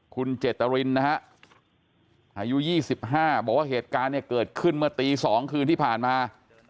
คุณเจตรินนะฮะอายุ๒๕บอกว่าเหตุการณ์เนี่ยเกิดขึ้นเมื่อตี๒คืนที่ผ่านมา